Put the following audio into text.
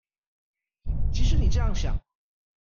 即使你這樣想